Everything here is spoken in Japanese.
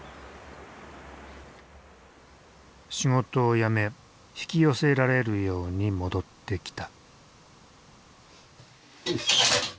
仕事を辞め引き寄せられるように戻ってきた。